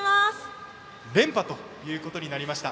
連覇ということになりました。